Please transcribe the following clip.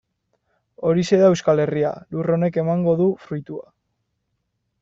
Horixe da Euskal Herria, lur honek emango du fruitua.